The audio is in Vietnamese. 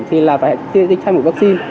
thì là phải đi thay một vaccine